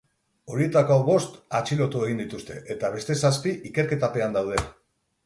Horietako bost atxilotu egin dituzte, eta beste zazpi ikerketapean daude.